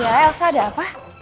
ya elsa ada apa